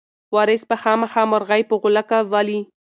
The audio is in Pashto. وارث به خامخا مرغۍ په غولکه ولي.